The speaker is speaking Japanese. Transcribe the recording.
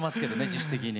自主的に。